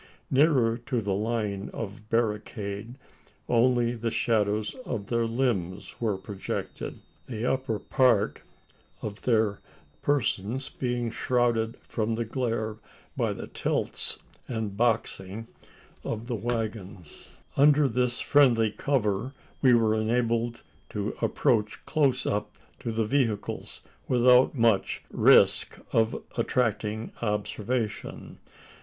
Nearer to the line of barricade, only the shadows of their limbs were projected, the upper part of their persons being shrouded from the glare by the tilts and boxing of the waggons. Under this friendly cover we were enabled to approach close up to the vehicles, without much risk of attracting observation.